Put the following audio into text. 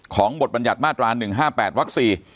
บทบรรยัติมาตรา๑๕๘วัก๔